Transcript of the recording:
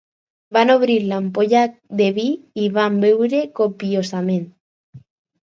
Van obrir l'ampolla de vi i van beure copiosament.